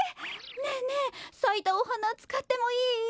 ねえねえさいたおはなつかってもいい？